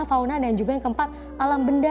fauna dan juga yang keempat alam benda